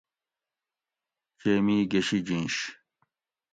چیمی گۤشی جینش